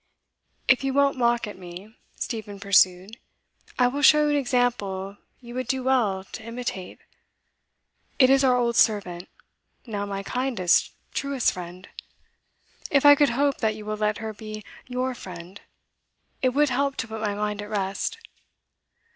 'If you won't mock at me,' Stephen pursued, 'I will show you an example you would do well to imitate. It is our old servant, now my kindest, truest friend. If I could hope that you will let her be your friend, it would help to put my mind at rest.